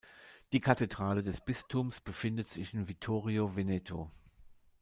Die Kathedrale des Bistums befindet sich in Vittorio Veneto.